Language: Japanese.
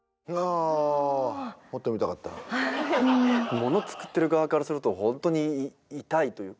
物作ってる側からすると本当に痛いというか。